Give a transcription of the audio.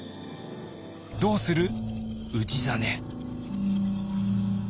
どうする氏真。